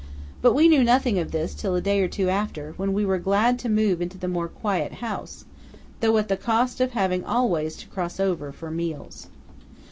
But we knew nothing of this till a day or two after, when we were glad to move into the more quiet house, though at the cost of having always to cross over for meals.